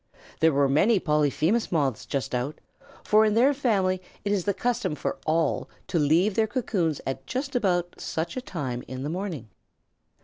There were many Polyphemus Moths just out, for in their family it is the custom for all to leave their cocoons at just about such a time in the morning.